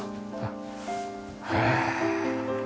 へえ。